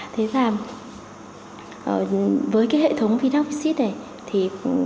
thế ra với cái hệ thống vin ax vin sys này thì